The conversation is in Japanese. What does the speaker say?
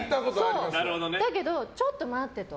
だけど、ちょっと待ってと。